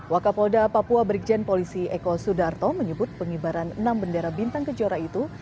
wakapolda papua brigjen polisi eko sudarto menyebut pengibaran enam bendera bintang kejora itu